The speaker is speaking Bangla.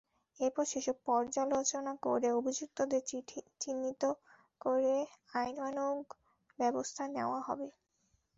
এরপর সেসব পর্যালোচনা করে অভিযুক্তদের চিহ্নিত করে আইনানুগ ব্যবস্থা নেওয়া হবে।